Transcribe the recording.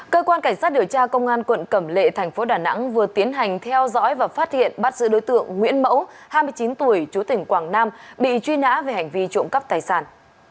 cơ quan cảnh sát điều tra công an quận cẩm lệ thành phố đà nẵng vừa tiến hành theo dõi và phát hiện bắt giữ đối tượng nguyễn mẫu hai mươi chín tuổi chú tỉnh quảng nam bị truy nã về hành vi trộm cắp tài sản